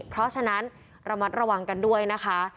เพราะฉะนั้นระมัดระวังกันด้วยนะคะ